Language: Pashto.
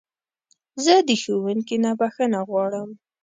زه د ښوونکي نه بخښنه غواړم.